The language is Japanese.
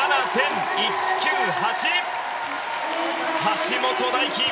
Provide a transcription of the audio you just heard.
橋本大輝